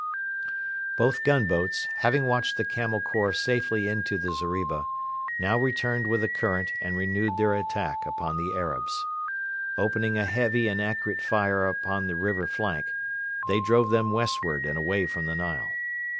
Both gunboats, having watched the Camel Corps safely into the zeriba, now returned with the current and renewed their attack upon the Arabs. Opening a heavy and accurate fire upon the river flank, they drove them westward and away from the Nile.